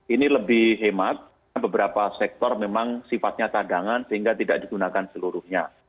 ini lebih hemat beberapa sektor memang sifatnya cadangan sehingga tidak digunakan seluruhnya